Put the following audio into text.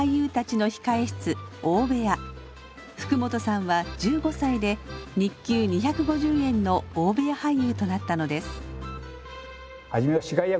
福本さんは１５歳で日給２５０円の大部屋俳優となったのです。